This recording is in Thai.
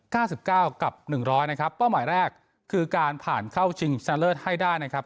เก้าสิบเก้ากับหนึ่งร้อยนะครับเป้าหมายแรกคือการผ่านเข้าชิงชนะเลิศให้ได้นะครับ